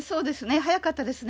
早かったですね。